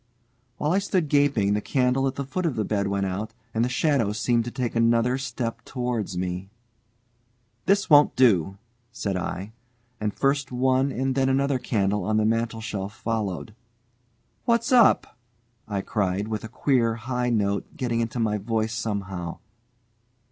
While I stood gaping, the candle at the foot of the bed went out, and the shadows seemed to take another step towards me. "This won't do!" said I, and first one and then another candle on the mantelshelf followed. "What's up?" I cried, with a queer high note getting into my voice somehow.